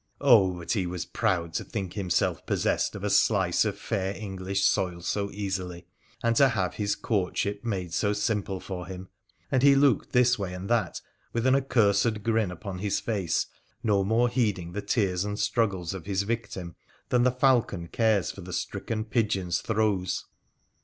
Oh, but he was proud to think himself possessed of a slice of fair English soil so easily, and to have his courtship made so simple for him, and he looked this way and that, with an accursed grin upon his face, no more heeding the tears and struggles of his victim than the falcon cares for the stricken pigeon's throes.